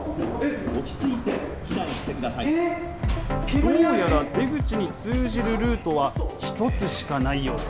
どうやら出口に通じるルートは１つしかないようです。